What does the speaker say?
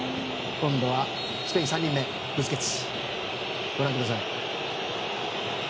今度はスペインの３人目ブスケツ。